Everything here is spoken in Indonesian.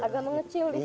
agak mengecil di sini